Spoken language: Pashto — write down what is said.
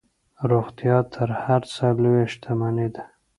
روغتیا تر هر څه لویه شتمني ده.